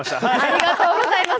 ありがとうございます。